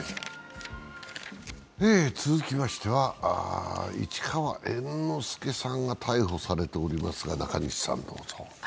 続きましては市川猿之助さんが逮捕されています。